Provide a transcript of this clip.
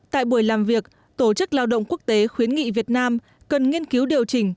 tại buổi làm việc tổ chức lao động quốc tế khuyến nghị việt nam cần nghiên cứu điều chỉnh